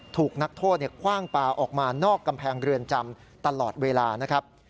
ถูกนักโทษคว่างปลาออกมานอกกำแพงเรือนจำตลอดเวลานะครับ